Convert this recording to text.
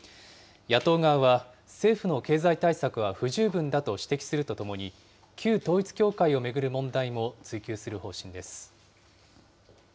野党側は政府の経済対策は不十分だと指摘するとともに、旧統一教会を巡る問題も追及する方針です。